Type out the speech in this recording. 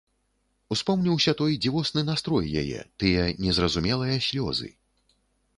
Успомніўся той дзівосны настрой яе, тыя незразумелыя слёзы.